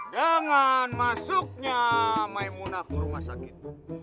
dengan masuknya maemunah ke rumesakit